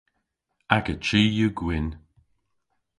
Aga chi yw gwynn.